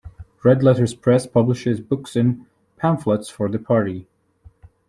Red Letter Press publishes books and pamphlets for the party.